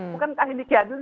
bukan kak hindi kiadun